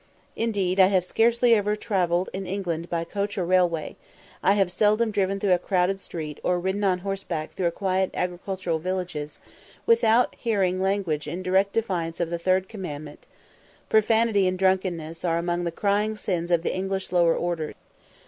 Indeed, I have scarcely ever travelled in England by coach or railway I have seldom driven through a crowded street, or ridden on horseback through quiet agricultural villages without hearing language in direct defiance of the third commandment. Profanity and drunkenness are among the crying sins of the English lower orders.